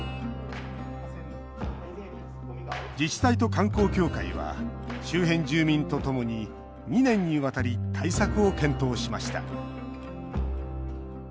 自治体と観光協会は周辺住民とともに２年にわたり対策を検討しました。